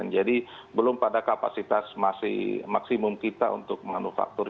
jadi belum pada kapasitas maksimum kita untuk manufaktur